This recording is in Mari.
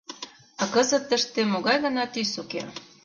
А кызыт тыште могай гына тӱс уке!